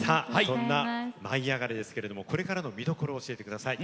そんな「舞いあがれ！」のこれからの見どころを教えてください。